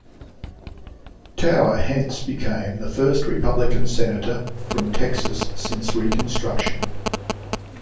Tower hence became the first Republican senator from Texas since Reconstruction.